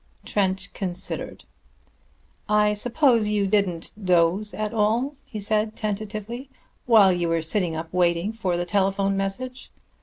Trent considered. "I suppose you didn't doze at all," he said tentatively, "while you were sitting up waiting for the telephone message."